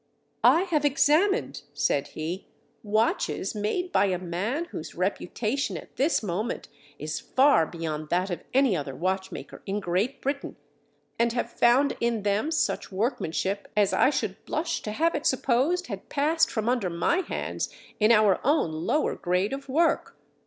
"I have examined," said he, "watches made by a man whose reputation at this moment is far beyond that of any other watchmaker in Great Britain and have found in them such workmanship as I should blush to have it supposed had passed from under my hands in our own lower grade of work.